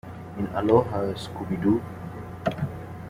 In Aloha, Scooby-Doo!